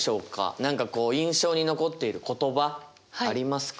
何かこう印象に残っている言葉ありますか？